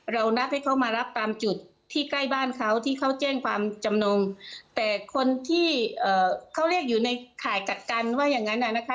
เรานัดให้เขามารับตามจุดที่ใกล้บ้านเขาที่เขาแจ้งความจำนงแต่คนที่เขาเรียกอยู่ในข่ายกักกันว่าอย่างนั้นอ่ะนะคะ